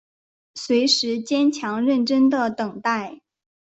随时坚强认真的等待